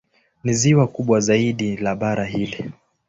Ni ziwa kubwa zaidi la bara hili.